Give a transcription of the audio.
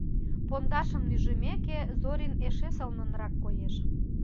Пондашым нӱжмеке, Зорин эше сылнынрак коеш.